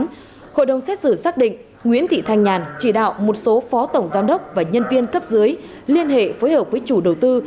trong đó hội đồng xét xử xác định nguyễn thị thanh nhàn chỉ đạo một số phó tổng giám đốc và nhân viên cấp dưới liên hệ phối hợp với chủ đầu tư